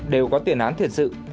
đều có tiền án thiệt sự